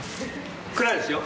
暗いですよ。